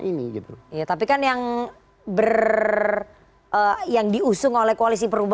ini gitu ya tapi kan yang brt yang diusung oleh koalisi perubahan kan signing out hebben